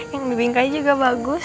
yang di bingkai juga bagus